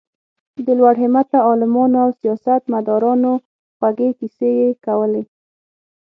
د لوړ همته عالمانو او سیاست مدارانو خوږې کیسې یې کولې.